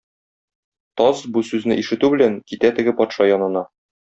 Таз, бу сүзне ишетү белән, китә теге патша янына.